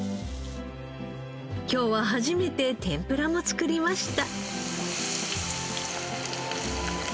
今日は初めて天ぷらも作りました。